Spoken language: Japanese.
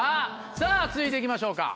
さぁ続いて行きましょうか